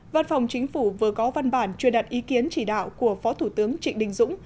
văn phòng chính phủ vừa có văn bản truyền đặt ý kiến chỉ đạo của phó thủ tướng trịnh đình dũng